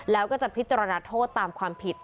แล้วก็จะพิจารณาโทษตามความผิด